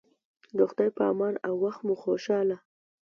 د خدای په امان او وخت مو خوشحاله